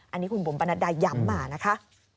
อันนี้คุณบุ๋มปนัดดาย้ำมานะคะ